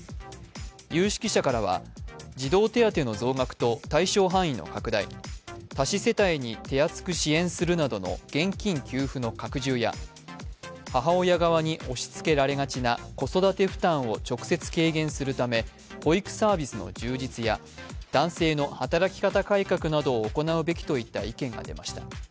有識者からは児童手当の増額と対象範囲の拡大、多子世帯に手厚く支援するなどの現金給付の拡充や母親側に押しつけられがちな子育て負担を直接軽減たるため保育サービスの充実や男性の働き方改革などを行うべきといった意見が出ました。